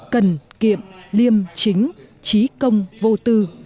cần kiệm liêm chính trí công vô tư